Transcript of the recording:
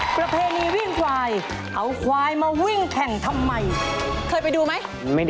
ประเพณีวิ่งขวายเอาขวายมาวิ่งแข่งทำไม